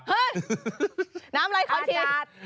เฮ่ยน้ำอะไรค่ะอาจารย์